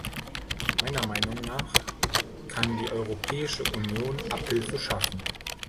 Meiner Meinung nach kann die Europäische Union Abhilfe schaffen.